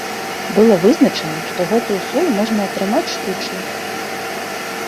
Было вызначана, што гэту соль можна атрымаць штучна.